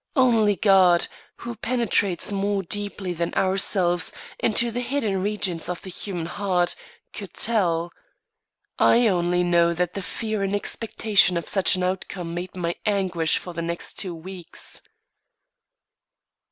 Only God, who penetrates more deeply than ourselves into the hidden regions of the human heart, could tell. I only know that the fear and expectation of such an outcome made my anguish for the next two weeks.